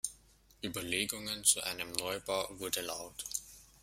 Überlegungen zu einem Neubau wurde laut.